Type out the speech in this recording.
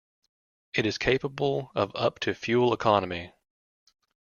It is capable of up to fuel economy.